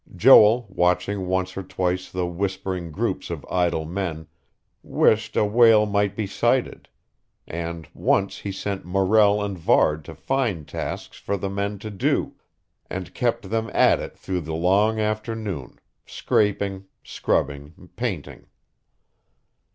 Joel, watching once or twice the whispering groups of idle men, wished a whale might be sighted; and once he sent Morrell and Varde to find tasks for the men to do, and kept them at it through the long afternoon, scraping, scrubbing, painting....